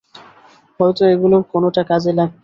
হয়তো এগুলোর কোনোটা কাজে লাগবে।